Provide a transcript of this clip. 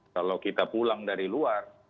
kalau kita pulang dari luar